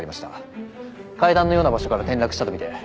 階段のような場所から転落したとみて間違いありません。